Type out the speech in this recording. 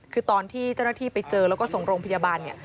คือตอนที่เจ้าหน้าที่ไปเจอแล้วก็ส่งโรงพยาบาลเนี่ย